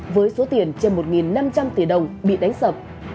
với số tiền trên một năm trăm linh tỷ đồng bị đánh sập